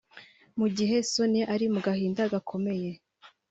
Mu gihe Sonia ari mu gahinda gakomeye